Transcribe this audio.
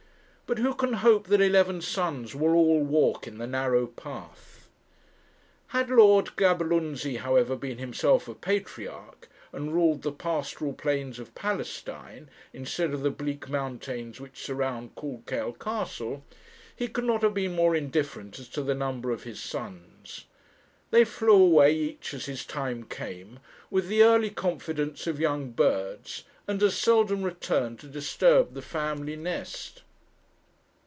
But who can hope that eleven sons will all walk in the narrow path? Had Lord Gaberlunzie, however, been himself a patriarch, and ruled the pastoral plains of Palestine, instead of the bleak mountains which surround Cauldkail Castle, he could not have been more indifferent as to the number of his sons. They flew away, each as his time came, with the early confidence of young birds, and as seldom returned to disturb the family nest.